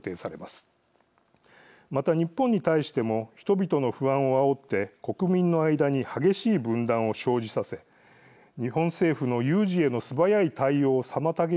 また日本に対しても人々の不安をあおって国民の間に激しい分断を生じさせ日本政府の有事への素早い対応を妨げようとするでしょう。